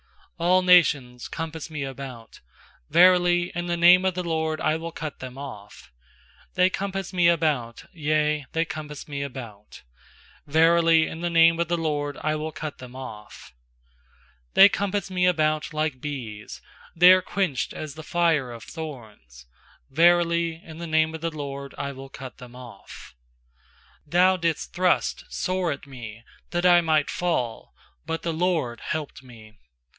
10A11 nations compass me about, Verily, in the name of the LORD I will cut them off. uThey compass me about, yea, they compass me about; Verily, in the name of the LORD I will cut them off. 12They compass me about like bees; , They are quenched as the fire of thorns; Verily, in the name of the LORD I will cut them off. 13Thou didst thrust sore at me that I might fall; But the LORD helped me.